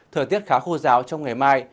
thời tiết khá khô ráo trong ngày mai